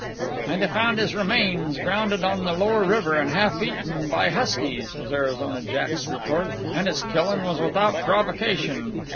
"And they found his remains grounded on the Lower River an' half eaten by huskies," was Arizona Jack's retort. "And his killin' was without provocation.